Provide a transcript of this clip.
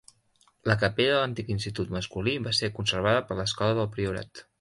La Capella de l'antic Institut Masculí va ser conservada per l"Escola del Priorat.